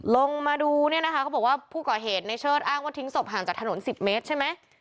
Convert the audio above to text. ลงมาดูเนี่ยนะคะเขาบอกว่าผู้ก่อเหตุในเชิดอ้างว่าทิ้งศพห่างจากถนน๑๐เมตรใช่ไหม